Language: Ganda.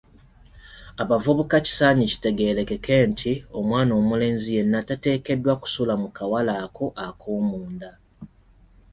Abavubuka kisaanye kitegeerekeke nti, omwana omulenzi yenna tateekeddwa kusula mu kawale ako ak'omunda.